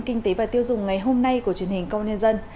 kinh tế và tiêu dùng ngày hôm nay của truyền hình công nhân dân